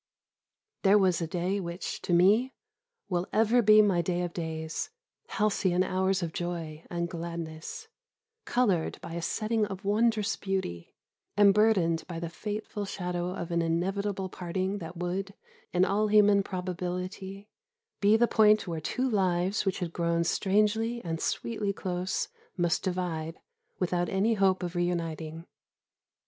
There was a day which, to me, will ever be my day of days halcyon hours of joy and gladness, coloured by a setting of wondrous beauty, and burdened by the fateful shadow of an inevitable parting that would, in all human probability, be the point where two lives, which had grown strangely and sweetly close, must divide, without any hope of re uniting.